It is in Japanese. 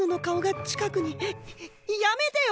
やめてよ！